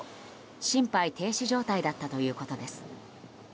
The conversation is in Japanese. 心肺停止状態だったということです。